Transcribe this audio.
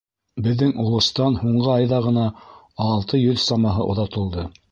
Беҙҙең олостан һуңғы айҙа ғына алты йөҙ самаһы оҙатылды.